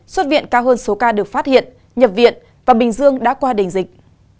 xuất viện cao hơn số ca được phát hiện nhập viện và bình dương đã qua đỉnh dịch